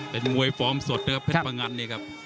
เป็นมวยฟอร์มสดนะครับเพชรพงันนี่ครับ